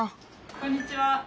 こんにちは。